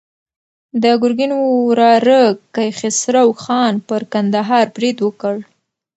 د ګرګین وراره کیخسرو خان پر کندهار برید وکړ.